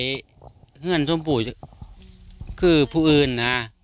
เพื่อนชมพู่คือผู้อื่นนะ